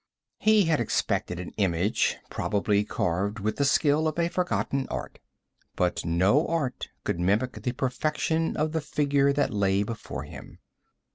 He had expected an image, probably carved with the skill of a forgotten art. But no art could mimic the perfection of the figure that lay before him.